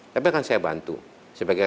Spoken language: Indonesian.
tapi akan saya bantu sebagai